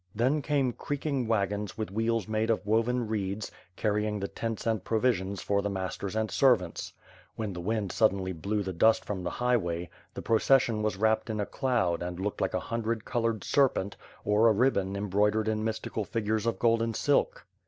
Then came creaking wagons with wheels made of woven reeds, canyin^ the tents and provisions for the masters and servants. When the wind suddenly blew the dust from the highway, the procession was wrapped in a cloud and looked like a hundred colored serpent, or a ribbon embroi dered in mystical figures in golden silk.